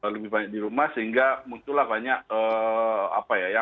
lebih banyak di rumah sehingga muncullah banyak apa ya